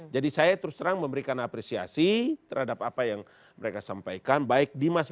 jadi saya terus terang memberikan apresiasi terhadap apa yang mereka sampaikan baik dimas maupun aisyah